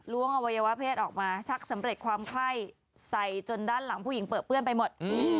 อวัยวะเพศออกมาชักสำเร็จความไข้ใส่จนด้านหลังผู้หญิงเปลือเปื้อนไปหมด